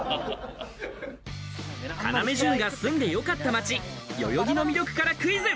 要潤が住んでよかった街、代々木の魅力からクイズ。